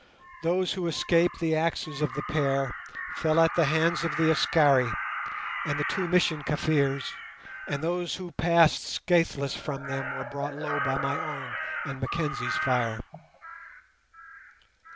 Those who escaped the axes of the pair fell at the hands of the Askari and the two Mission Kaffirs, and those who passed scatheless from them were brought low by my own and Mackenzie's fire.